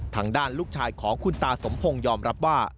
ทางด้านลูกชายของคุณตาสมพงศ์ยอมรับว่า